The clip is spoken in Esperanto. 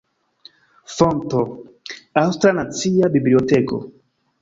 Fonto: Aŭstra Nacia Biblioteko.